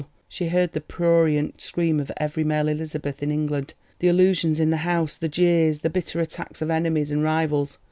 She heard the prurient scream of every male Elizabeth in England; the allusions in the House—the jeers, the bitter attacks of enemies and rivals.